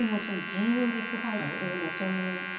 自由律俳句というのはそういう？